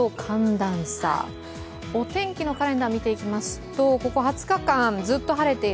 お天気のカレンダーを見ていきますと、ここ２０日間、ずっと晴れている。